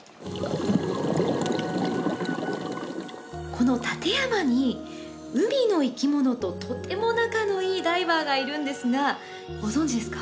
この館山に海の生き物ととても仲のいいダイバーがいるんですがご存じですか？